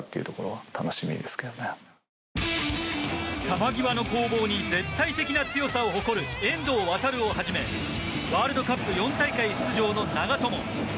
球際の攻防に絶対的な強さを誇る遠藤航をはじめワールドカップ４大会出場の長友